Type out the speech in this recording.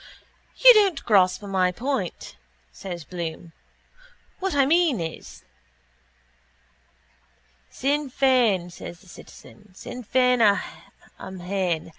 —You don't grasp my point, says Bloom. What I mean is... —Sinn Fein! says the citizen. _Sinn Fein amhain!